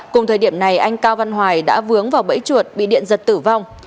cùng thời điểm này anh cao văn hoài đã vướng vào bẫy chuột bị điện giật tử vong